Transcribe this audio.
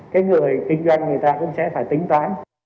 cái người kinh doanh người ta cũng sẽ phải tính toán